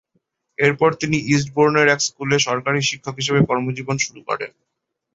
এরপর তিনি ইস্টবোর্নের এক স্কুলে সহকারী শিক্ষক হিসেবে কর্মজীবন শুরু করেন।